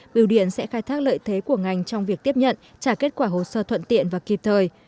biêu điện sẽ khai thác lợi thế của ngành trong việc tiếp nhận trả kết quả hồ sơ thuận tiện và kịp thời